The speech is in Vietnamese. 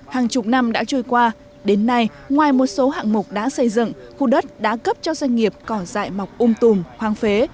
hàng chục năm đã trôi qua đến nay ngoài một số hạng mục đã xây dựng khu đất đã cấp cho doanh nghiệp cỏ dại mọc um tùm hoang phế